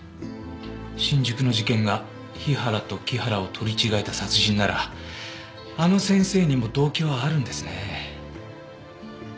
新宿の事件が日原と木原を取り違えた殺人ならあの先生にも動機はあるんですね。